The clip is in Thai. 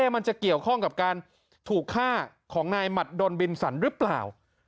มันจะเกี่ยวข้องกับการถูกฆ่าของนายหมัดดนบินสันหรือเปล่า